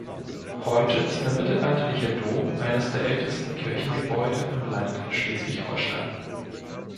Heute ist der mittelalterliche Dom eines der ältesten Kirchengebäude im Land Schleswig-Holstein.